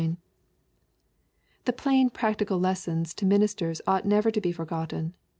The plain practical lessons to ministers ^ught never to be for gotten.